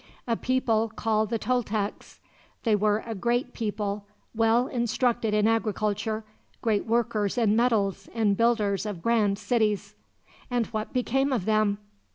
"A people called the Toltecs. They were a great people, well instructed in agriculture, great workers in metals and builders of grand cities." "And what became of them?"